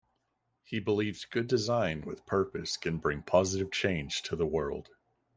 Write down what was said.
He believes good design with purpose can bring positive change to the world.